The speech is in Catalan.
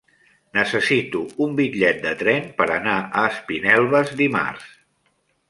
Necessito un bitllet de tren per anar a Espinelves dimarts.